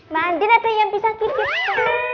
mandi lah tuh yang bisa kikik